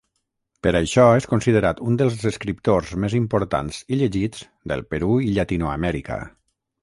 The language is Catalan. Per això és considerat un dels escriptors més importants i llegits del Perú i Llatinoamèrica.